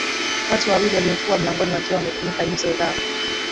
Watu wawili waliokuwa mlangoni wakiwa wamefunika nyuso zao